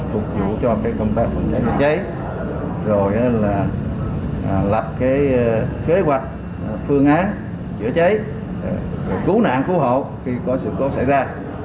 phục vụ cho công tác phòng cháy chữa cháy rồi là lập kế hoạch phương án chữa cháy cứu nạn cứu hộ khi có sự cố xảy ra